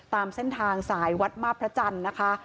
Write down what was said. ตามเส้นทางสายวัดมาบพระจันทร์นะคะ